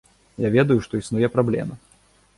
Я ведаю, што існуе праблема.